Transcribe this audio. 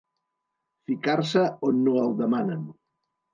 Ficar-se on no el demanen.